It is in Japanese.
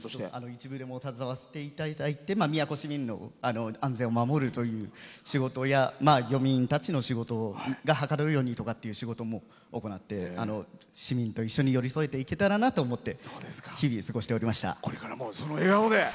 一部でも携わらせていただいて宮古市民の安全を守るという仕事や漁民たちの仕事がはかどるようにという仕事も行って市民と一緒により添えていけたらなと思って日々、過ごしておりました。